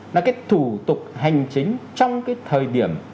là cái thủ tục hành chính trong cái thời điểm